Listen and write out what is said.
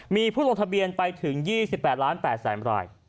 มีผู้ลงทะเบียนไปถึง๒๘๘๐๐๐ราย